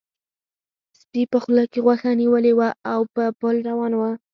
سپي په خوله کې غوښه نیولې وه او په پل روان و.